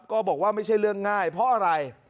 ก็บอกว่าไม่ใช่เรื่องง่ายเพราะอะไร